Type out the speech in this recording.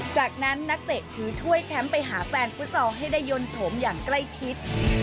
จากนั้นนักเตะถือถ้วยแชมป์ไปหาแฟนฟุตซอลให้ได้ยนต์โฉมอย่างใกล้ชิด